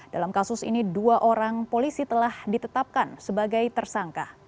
dalam kasus ini dua orang polisi telah ditetapkan sebagai tersangka